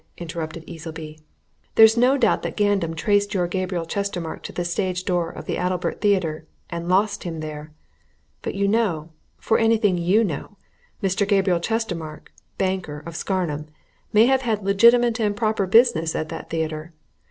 interrupted Easleby. "There's no doubt that Gandam traced your Gabriel Chestermarke to the stage door of the Adalbert Theatre and lost him there. But, you know, for anything you know, Mr. Gabriel Chestermarke, banker, of Scarnham, may have had legitimate and proper business at that theatre.